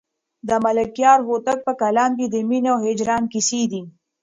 د ملکیار هوتک په کلام کې د مینې او هجران کیسې دي.